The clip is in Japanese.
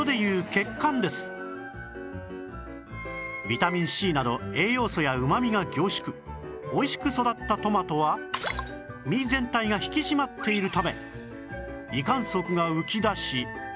ビタミン Ｃ など栄養素やうまみが凝縮おいしく育ったトマトは実全体が引き締まっているため維管束が浮き出し